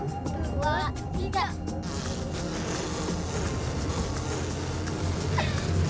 nah teh penglaris teh